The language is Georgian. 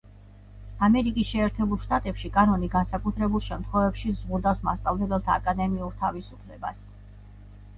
ამერიკის შეერთებულ შტატებში კანონი განსაკუთრებულ შემთხვევებში ზღუდავს მასწავლებელთა აკადემიურ თავისუფლებას.